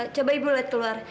coba ibu liat keluar